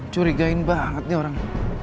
curigain banget nih orang